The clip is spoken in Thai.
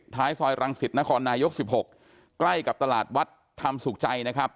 ท้ายซอยรังศิษย์นครนายก๑๖ใกล้กับตลาดวัดทำสุขใจนะครับ